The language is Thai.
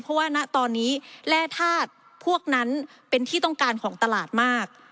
เพราะว่าณตอนนี้แร่ธาตุพวกนั้นเป็นที่ต้องการของตลาดมาก